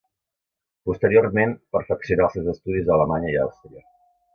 Posteriorment perfeccionà els seus estudis a Alemanya i Àustria.